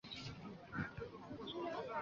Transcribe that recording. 他在这个距离看到了泰坦尼克号的沉没。